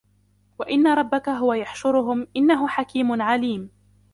وَإِنَّ رَبَّكَ هُوَ يَحْشُرُهُمْ إِنَّهُ حَكِيمٌ عَلِيمٌ